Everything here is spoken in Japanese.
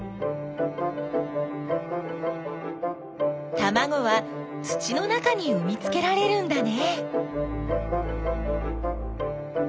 たまごは土の中にうみつけられるんだね。